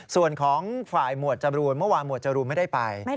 ส่วนของฝ่ายหมวดจรูนเมื่อวานหมวดจรูนไม่ได้ไป